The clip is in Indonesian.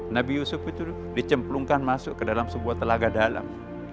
nabi yusuf itu dicemplungkan masuk ke dalam sebuah telaga dalam